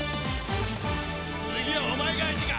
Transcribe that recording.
次はお前が相手か？